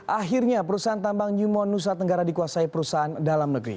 akhirnya perusahaan tambang newmont nusa tenggara dikuasai perusahaan dalam negeri